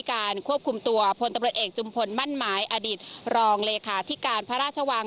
การคุมตัวพลตบนเอกจุมพลมั่นไม้อดิตรองเลขาธิการพระราชวัง